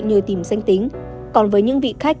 nhờ tìm danh tính còn với những vị khách